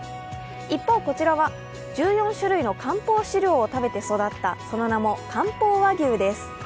一方こちらは、１４種類の漢方飼料を食べて育ったその名も漢方和牛です。